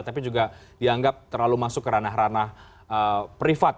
tapi juga dianggap terlalu masuk ke ranah ranah privat